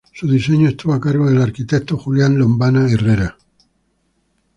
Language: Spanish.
Su diseño estuvo a cargo del arquitecto Julián Lombana Herrera.